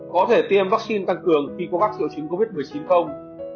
có thể tiêm vaccine tăng cường khi có các triệu chứng covid một mươi chín không